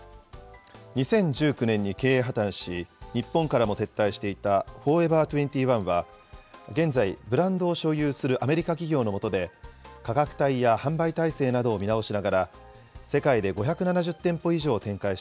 ２０１９年に経営破綻し、日本からも撤退していたフォーエバー２１は、現在、ブランドを所有するアメリカ企業の下で、価格帯や販売体制などを見直しながら、世界で５７０店舗